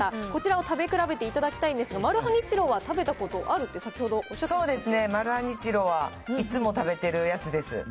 こちらを食べ比べていただきたいんですが、マルハニチロは食べたことあるって、先ほどおっしゃっそうですね、マルハニチロは、いつも食べてるやつです。